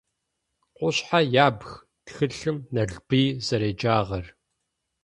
«Къушъхьэ ябг» тхылъым Налбый зэреджагъэр.